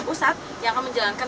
rspad jakarta yang akan menjalankan